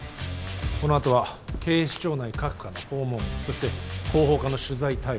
このあとは警視庁内各課の訪問そして広報課の取材対応